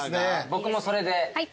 僕もそれで。